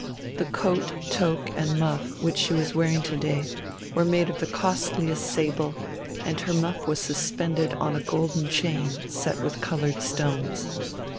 The coat, toque, and muff which she was wearing to day were made of the costliest sable, and her muff was suspended on a golden chain set with coloured stones.